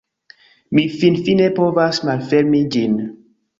Mi finfine povas malfermi ĝin!